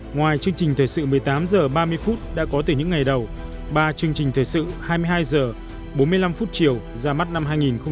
ngoài chương trình thời sự một mươi tám h ba mươi đã có từ những ngày đầu ba chương trình thời sự hai mươi hai h bốn mươi năm chiều ra mắt năm hai nghìn một mươi chín